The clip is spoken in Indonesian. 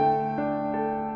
gak ada apa apa